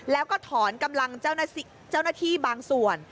แล้วก็ถอนกำลังเจ้าหน้าที่บางส่วน